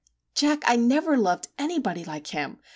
Jack! I never loved anybody like him!